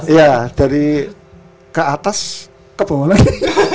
iya dari ke atas ke bawah lagi